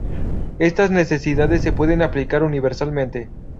Estas necesidades se pueden aplicar universalmente.